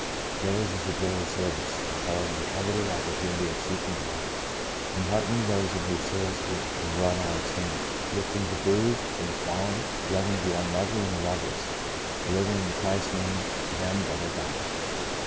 Theirs is the joy of service, impelling to the coveted opportunity of seeking the lost, en heartening those in whose souls hope is well nigh extinguished, lifting the bruised and fallen, loving the unlovely and the loveless, delivering in Christ's name them that are bound.